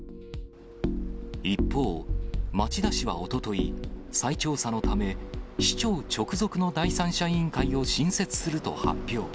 一方、町田市はおととい、再調査のため、市長直属の第三者委員会を新設すると発表。